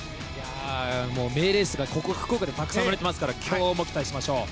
名レースがここ、福岡でたくさん生まれていますから今日も期待しましょう。